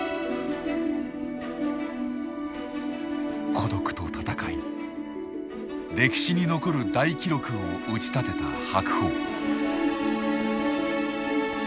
孤独と闘い歴史に残る大記録を打ち立てた白鵬。